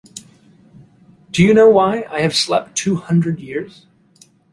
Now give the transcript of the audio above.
Do you know why I have slept two hundred years?